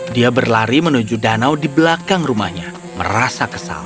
dia berlari menuju danau di belakang rumahnya merasa kesal